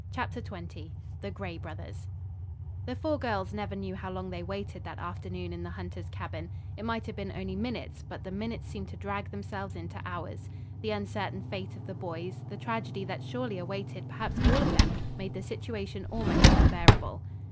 CHAPTER XX THE GRAY BROTHERS The four girls never knew how long they waited that afternoon in the hunter's cabin. It might have been only minutes, but the minutes seemed to drag themselves into hours. The uncertain fate of the boys, the tragedy that surely awaited perhaps all of them made the situation almost unbearable.